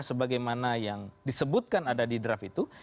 sebagaimana yang disebutkan ada di draft itu